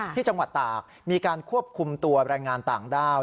ที่จังหวัดตากมีการควบคุมตัวแรงงานต่างด้าว